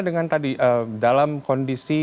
dengan tadi dalam kondisi